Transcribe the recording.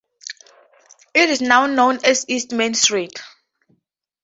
It is now known as East Main Street.